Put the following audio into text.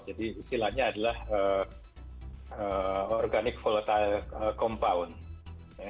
jadi istilahnya adalah organic volatile compound